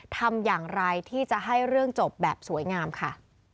ทำอย่างไรที่จะให้เรื่องจบแบบสวยงามค่ะ